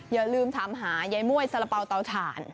อย่าลืมถามหายายม่วยสาระเป๋าเตาถ่าน